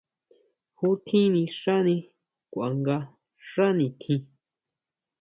¿Ju tjín nixani kuanga xá nitjín?